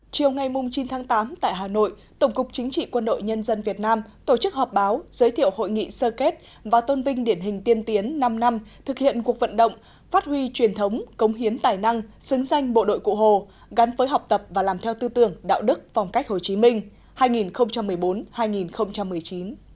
chiều ngày chín tháng tám tại hà nội tổng cục chính trị quân đội nhân dân việt nam tổ chức họp báo giới thiệu hội nghị sơ kết và tôn vinh điển hình tiên tiến năm năm thực hiện cuộc vận động phát huy truyền thống cống hiến tài năng xứng danh bộ đội cụ hồ gắn với học tập và làm theo tư tưởng đạo đức phong cách hồ chí minh hai nghìn một mươi bốn hai nghìn một mươi chín